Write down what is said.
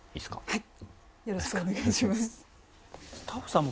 はい。